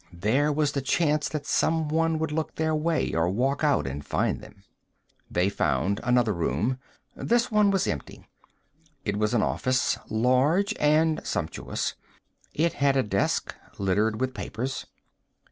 There was the chance that someone would look their way or walk out and find them. They found another room. This one was empty. It was an office, large and sumptuous. It had a desk, littered with papers.